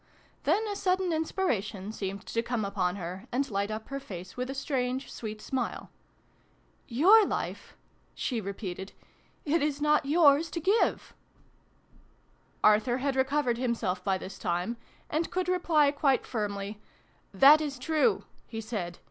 Then a sudden inspiration seemed to come upon her and light up her face with a strange sweet smile. " Your life ?" she re peated. "It is not yours to give !" Arthur had recovered himself by this time, and could reply quite firmly, " That is true," he said.